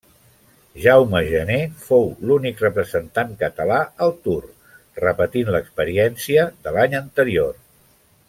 Jaume Janer fou l'únic representant català al Tour, repetint l'experiència de l'any anterior.